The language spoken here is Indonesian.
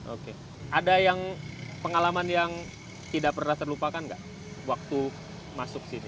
oke ada yang pengalaman yang tidak pernah terlupakan nggak waktu masuk sini